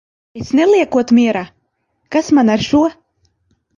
Es neliekot mierā? Kas man ar šo!